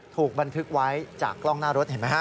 ถูกบันทึกไว้จากกล้องหน้ารถเห็นไหมฮะ